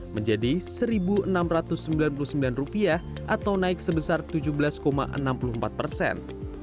menjadi rp satu enam ratus sembilan puluh sembilan atau naik sebesar tujuh belas enam puluh empat persen